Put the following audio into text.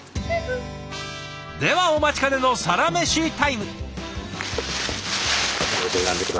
ではお待ちかねのサラメシタイム！